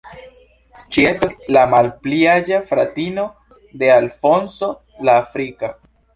Ŝi estas la malpli aĝa fratino de Alfonso la Afrika.